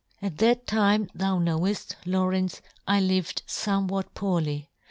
At that time thou knoweft, " Lawrence, I lived fomewhat poorly.